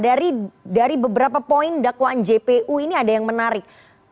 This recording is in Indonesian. dari beberapa poin dakwaan jpu ini ada yang menarik